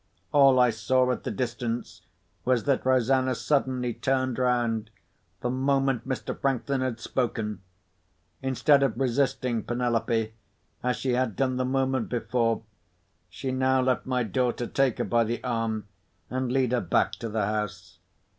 All I saw at the distance was that Rosanna suddenly turned round, the moment Mr. Franklin had spoken. Instead of resisting Penelope, as she had done the moment before, she now let my daughter take her by the arm and lead her back to the house.